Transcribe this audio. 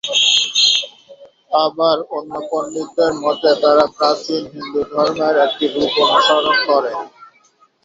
আবার অন্য পণ্ডিতদের মতে, তারা প্রাচীন হিন্দুধর্মের একটি রূপ অনুসরণ করে।